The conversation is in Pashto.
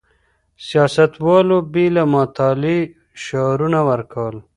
سياستوالو بې له مطالعې شعارونه ورکول.